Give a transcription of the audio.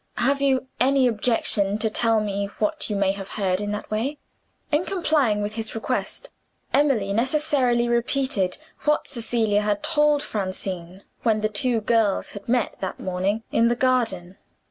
Have you any objection to tell me what you may have heard in that way?" In complying with his request Emily necessarily repeated what Cecilia had told Francine, when the two girls had met that morning in the garden.